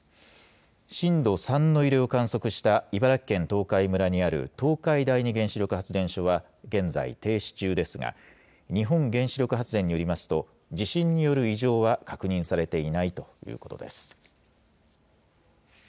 震度３の揺れを観測した茨城県東海村にある東海第二原子力発電所は現在、停止中ですが、日本原子力発電によりますと、地震による異常は確認されていないということです。